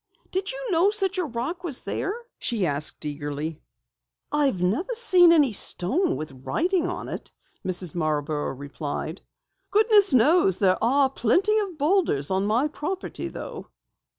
"Did you know such a rock was there?" she asked eagerly. "I've never seen any stone with writing on it," Mrs. Marborough replied. "Goodness knows there are plenty of boulders on my property though."